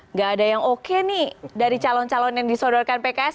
nggak ada yang oke nih dari calon calon yang disodorkan pks